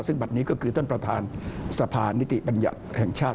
ซึ่งบัตรนี้ก็คือท่านประธานสะพานนิติบัญญัติแห่งชาติ